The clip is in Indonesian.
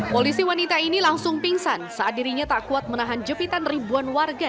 polisi wanita ini langsung pingsan saat dirinya tak kuat menahan jepitan ribuan warga